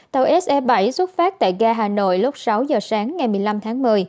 tàu se bảy xuất phát tại ga hà nội lúc sáu giờ sáng ngày một mươi năm tháng một mươi